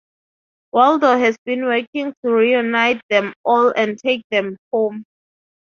Waldo has been working to reunite them all and take them home.